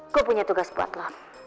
gue punya tugas buat lo